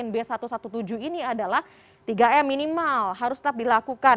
b satu ratus tujuh belas ini adalah tiga m minimal harus tetap dilakukan